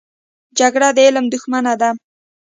جګړه د علم دښمنه ده